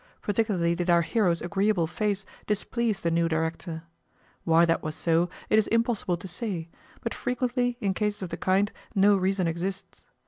Particularly did our hero's agreeable face displease the new Director. Why that was so it is impossible to say, but frequently, in cases of the kind, no reason exists.